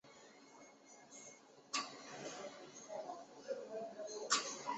国际私法有狭义与广义的。